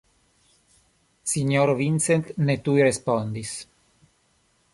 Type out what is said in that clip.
Sinjoro Vincent ne tuj respondis.